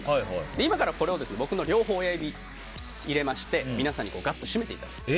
今からこれを僕の両方の親指入れまして皆さんにがっと閉めてもらいます。